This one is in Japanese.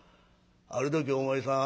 ある時お前さん